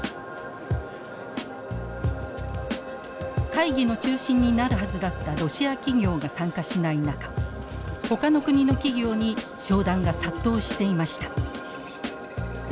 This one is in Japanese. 会議の中心になるはずだったロシア企業が参加しない中ほかの国の企業に商談が殺到していました。